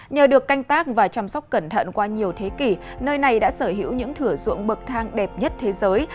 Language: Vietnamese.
nhờ được canh tác và chăm sóc cẩn thận qua nhiều thế kỷ nơi này đã sở hữu những thửa ruộng bậc thang đẹp nhất thế giới